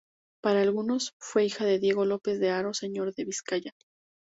Para algunos, fue hija de Diego López I de Haro, señor de Vizcaya.